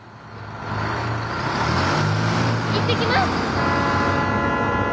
行ってきます。